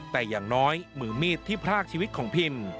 แต่อย่างน้อยมือมีดที่พรากชีวิตของพิม